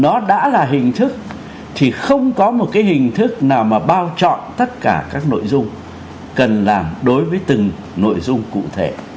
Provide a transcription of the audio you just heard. nó đã là hình thức thì không có một cái hình thức nào mà bao chọn tất cả các nội dung cần làm đối với từng nội dung cụ thể